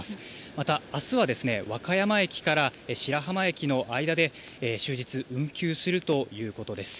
またあすは和歌山駅から白浜駅の間で終日運休するということです。